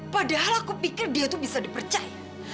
padahal aku pikir dia tuh bisa dipercaya